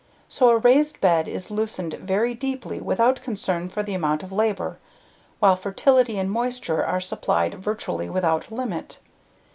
So a raised bed is loosened very deeply without concern for the amount of labor, while fertility and moisture are supplied virtually without limit.